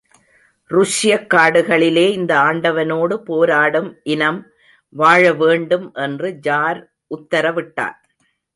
ருஷ்யக் காடுகளிலே இந்த ஆண்டவனோடு போராடும் இனம் வாழ வேண்டும் என்று ஜார் உத்தரவிட்டான்.